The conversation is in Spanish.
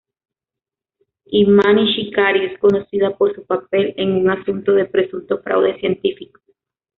Imanishi-Kari es conocida por su papel en un asunto de presunto fraude científico.